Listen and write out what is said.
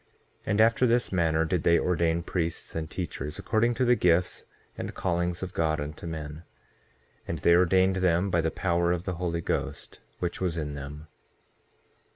3:4 And after this manner did they ordain priests and teachers, according to the gifts and callings of God unto men; and they ordained them by the power of the Holy Ghost, which was in them.